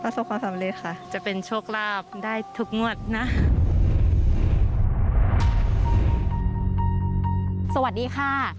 สวัสดีค่ะ